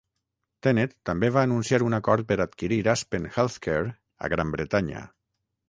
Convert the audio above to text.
Tenet també va anunciar un acord per adquirir Aspen Healthcare a Gran Bretanya.